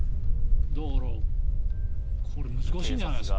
だからこれ難しいんじゃないの。